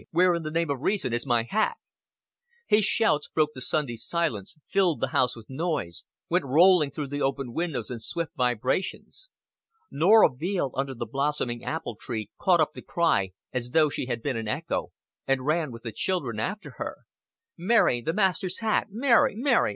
Where in the name of reason is my hat?" His shouts broke the Sunday silence, filled the house with noise, went rolling through the open windows in swift vibrations. Norah Veale under the blossoming apple tree caught up the cry as though she had been an echo, and ran with the children after her. "Mary, the master's hat. Mary, Mary!